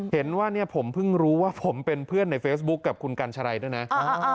เห็นว่าเนี่ยผมเพิ่งรู้ว่าผมเป็นเพื่อนในเฟซบุ๊คกับคุณกัญชรัยด้วยนะ